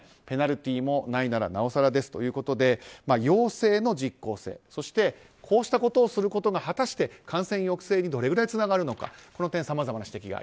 ペナルティーもないならなおさらですということで要請の実効性そして、こうしたことをすることが、果たして感染抑制にどれぐらいつながるのか。